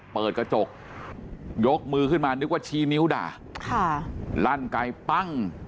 เปิดกระจกยกมือขึ้นมานึกว่าชี้นิ้วด่าค่ะลั่นไกลปั้ง